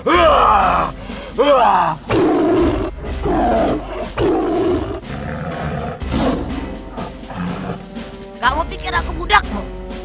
enggak mau pikir aku budakmu